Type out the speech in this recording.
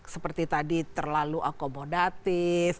seperti tadi terlalu akomodatif